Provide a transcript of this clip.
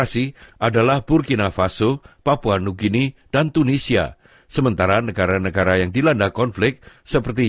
seiring dengan meningkatnya sensor media pembatasan protes sipil